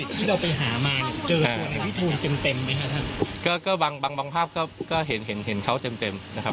ที่เราไปหามาเนี่ยเจอตัวนายวิทูลเต็มเต็มไหมฮะท่านก็ก็บางบางภาพก็ก็เห็นเห็นเขาเต็มเต็มนะครับ